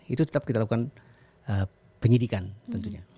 itu tetap kita lakukan penyidikan tentunya